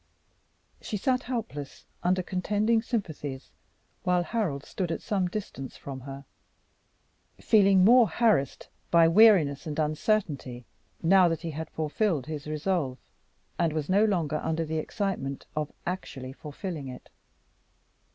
She sat helpless under contending sympathies while Harold stood at some distance from her, feeling more harassed by weariness and uncertainty, now that he had fulfilled his resolve, and was no longer under the excitement of actually fulfilling it.